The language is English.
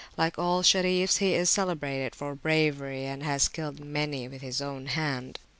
Like all Sharifs, he is celebrated for bravery, and has killed many with his own hand.